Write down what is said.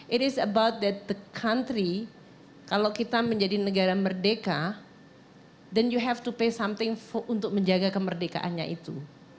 it is about that the country kalau kita menjadi negara merdeka then you have to pay something untuk menjaga kemerdekaannya itu